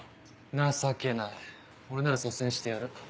情けない俺なら率先してやる。